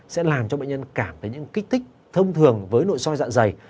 sẽ làm cho bệnh nhân cảm thấy những kích thích thông thường với nội soi dạng dày